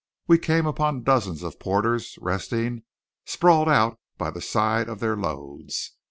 We came upon dozens of porters resting sprawled out by the side of their loads.